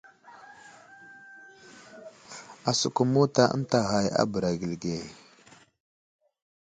Asəkum mota ənta ghay a bəra gəli ge.